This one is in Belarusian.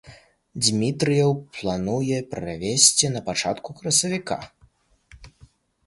Дзмітрыеў плануе правесці на пачатку красавіка.